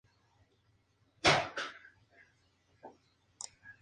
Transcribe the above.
Todas las partes de la planta son tóxicas si se comen.